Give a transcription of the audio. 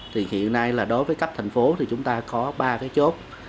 thì hiện nay là đối với cấp thành phố thì chúng ta có ba cái chốt